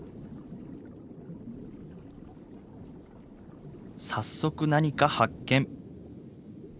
早速何か発見！